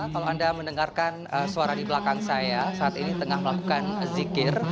kalau anda mendengarkan suara di belakang saya saat ini tengah melakukan zikir